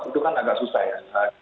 itu kan agak susah ya